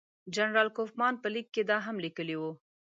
جنرال کوفمان په لیک کې دا هم لیکلي وو.